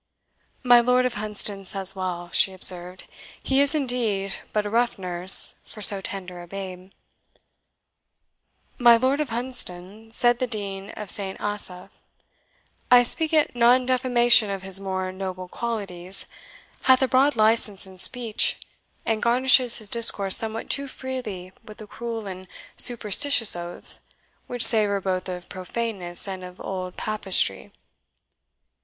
"My Lord of Hunsdon says well," she observed, "he is indeed but a rough nurse for so tender a babe." "My Lord of Hunsdon," said the Dean of St. Asaph "I speak it not in defamation of his more noble qualities hath a broad license in speech, and garnishes his discourse somewhat too freely with the cruel and superstitious oaths which savour both of profaneness and of old Papistrie."